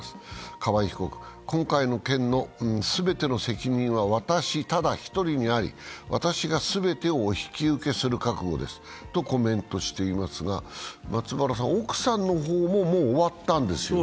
河井被告は、今回の件の全ての責任は私ただ１人にあり私が全てをお引き受けする覚悟ですとコメントしていますが松原さん、奥さんの方も、もう終わったんですよね？